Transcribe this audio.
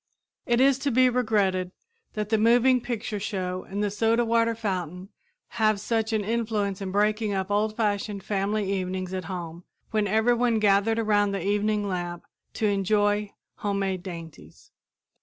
It is to be regretted that the moving picture show and the soda water fountain have such an influence in breaking up old fashioned family evenings at home when everyone gathered around the evening lamp to enjoy homemade dainties.